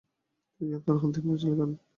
তিনি গ্রেপ্তার হন ও তিনমাস জেল খাটেন।